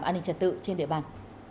an ninh trật tự trên địa bàn